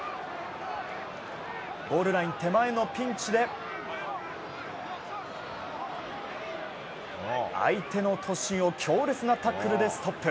ゴールライン手前のピンチで相手の突進を強烈なタックルでストップ。